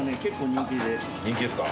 人気ですか？